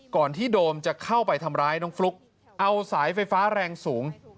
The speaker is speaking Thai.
ก่อนที่โดมจะเข้าไปทำร้ายน้องฟลุ๊กเอาสายไฟฟ้าแรงสูง